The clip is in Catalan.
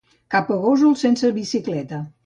Cap a Gósol sense bicicleta.